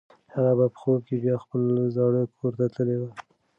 هغه په خوب کې بیا خپل زاړه کور ته تللې وه.